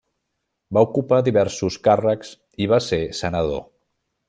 Va ocupar diversos càrrecs i va ser senador.